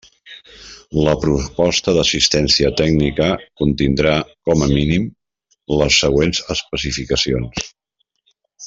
La proposta d'assistència tècnica contindrà com a mínim, les següents especificacions.